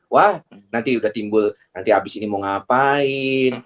wah nanti udah timbul nanti habis ini mau ngapain